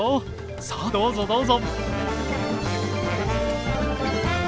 さあどうぞどうぞ。